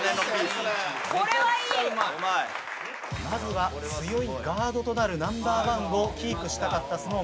まずは強いガードとなるナンバーワンをキープしたかったＳｎｏｗＭａｎ。